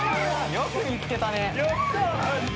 よく見つけたね。